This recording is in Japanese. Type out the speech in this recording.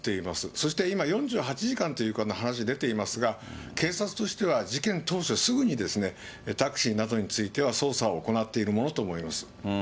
そして今、４８時間という話出ていますが、警察としては事件当初すぐにタクシーなどについては、捜査を行っているものと思います。